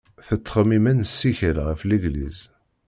Nettxemmim ad nessikel ɣer Legliz.